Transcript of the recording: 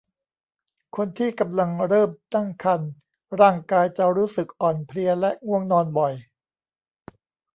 คนที่กำลังเริ่มตั้งครรภ์ร่างกายจะรู้สึกอ่อนเพลียและง่วงนอนบ่อย